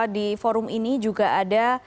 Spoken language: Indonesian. di forum ini juga ada